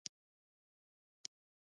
غیرت او میړانه دوی په خپل عمل یې ښایي